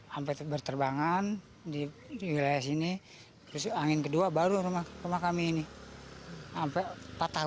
sampai berterbangan di wilayah sini terus angin kedua baru rumah rumah kami ini sampai patah